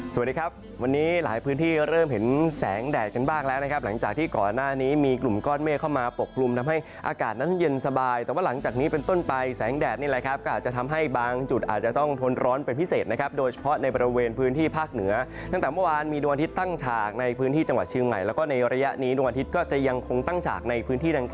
สวัสดีครับวันนี้หลายพื้นที่เริ่มเห็นแสงแดดกันบ้างแล้วนะครับหลังจากที่ก่อนหน้านี้มีกลุ่มก้อนเมฆเข้ามาปกปรุงทำให้อากาศนั้นเย็นสบายแต่ว่าหลังจากนี้เป็นต้นไปแสงแดดนี่แหละครับก็อาจจะทำให้บางจุดอาจจะต้องทนร้อนเป็นพิเศษนะครับโดยเฉพาะในบริเวณพื้นที่ภาคเหนือตั้งแต่เมื่อวานมีด